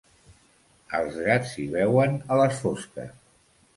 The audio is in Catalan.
Els gats hi veuen a les fosques.